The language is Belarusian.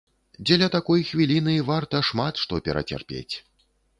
Дзеля такой хвіліны варта шмат што перацярпець!